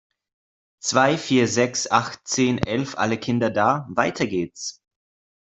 Zwei, Vier, Sechs, Acht, Zehn, Elf, alle Kinder da! Weiter geht's.